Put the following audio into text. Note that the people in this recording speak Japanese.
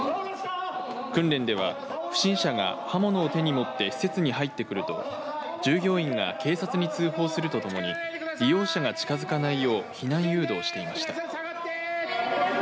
訓練では不審者が刃物を手に持って施設に入ってくると従業員が警察に通報するとともに利用者が近づかないよう避難誘導していました。